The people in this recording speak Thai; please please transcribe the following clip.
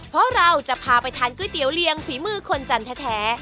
เพราะเราจะพาไปทานก๋วยเตี๋ยวเลี้ยงฝีมือคนจันทร์แท้